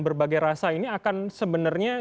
berbagai rasa ini akan sebenarnya